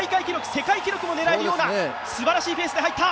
世界記録も狙えるようなすばらしいペースで入った。